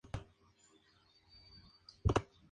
Se diseñó una versión móvil y otra fija.